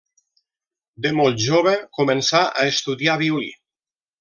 De molt jove començà a estudiar violí.